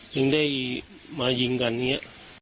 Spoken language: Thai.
ถึงได้มายิงกันอย่างนี้